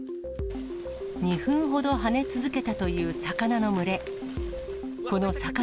２分ほど跳ね続けたという魚の群れ。